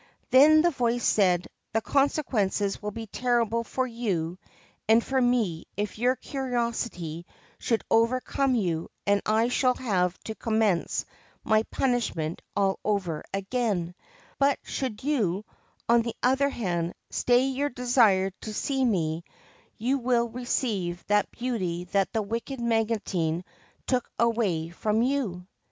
Then the voice said :' The consequences will be terrible for you and for me if your curiosity should overcome you, and I shall have to commence my punishment all over again ; but, should you, on the other hand, stay your desire to see me, you will receive that beauty that the wicked Magotine took away from you."